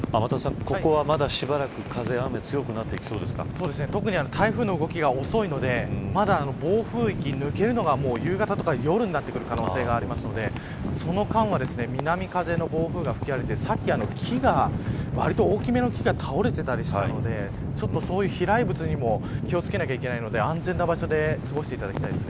ここは、まだしばらく特に台風の動きが遅いので暴風域を抜けるのが、夕方や夜になってくる可能性があるのでその間は、南風の暴風が吹き荒れてわりと大きめの木が倒れていたりしたのでそういう飛来物にも気を付けないといけないので安全な場所で過ごしていただきたいです。